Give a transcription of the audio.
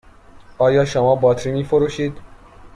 آیا شما باطری می فروشید؟